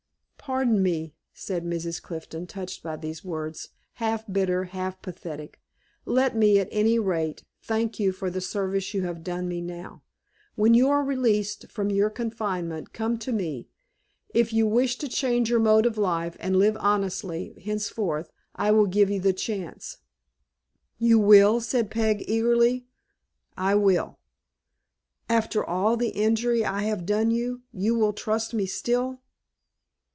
"Pardon me," said Mrs. Clifton, touched by these words, half bitter, half pathetic; "let me, at any rate, thank you for the service you have done me now. When you are released from your confinement, come to me. If you wish to change your mode of life and live honestly henceforth, I will give you the chance." "You will!" said Peg, eagerly. "I will." "After all the injury I have done you, you will trust me still?"